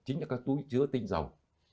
chính là cái túi chứa tinh dầu